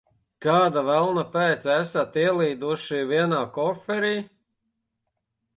Kāda velna pēc esat ielīduši vienā koferī?